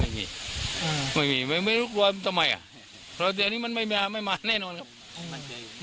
ไม่มีไม่มีไม่รู้กลัวมันทำไมอ่ะเพราะเดี๋ยวนี้มันไม่มาไม่มาแน่นอนครับ